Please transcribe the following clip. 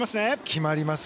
決まります。